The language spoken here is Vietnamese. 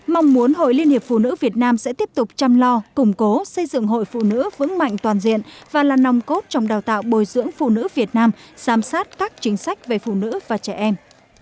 mong muốn hội liên hiệp phụ nữ việt nam sẽ tiếp tục chăm lo củng cố xây dựng hội phụ nữ vững mạnh toàn diện và là nòng cốt trong đào tạo bồi dưỡng phụ nữ việt nam giám sát các chính sách về phụ nữ và trẻ em